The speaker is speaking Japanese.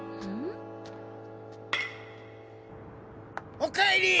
・おかえりぃ！